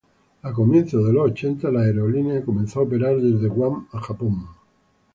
A comienzos de los ochenta la aerolínea comenzó a operar desde Guam a Japón.